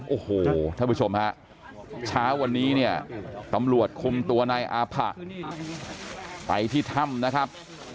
โอ้โหท่านผู้ชมฮะเช้าวันนี้เนี่ยตำรวจคุมตัวนายอาผะไปที่ถ้ำนะครับ